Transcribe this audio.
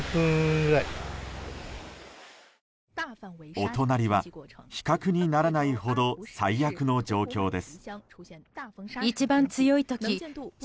お隣は比較にならないほど最悪の状況です。